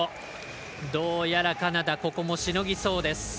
どうやらカナダ、ここもしのぎそうです。